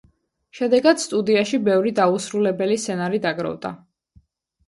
შედეგად სტუდიაში ბევრი დაუსრულებელი სცენარი დაგროვდა.